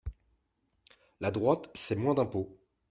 La droite, c’est moins d’impôts.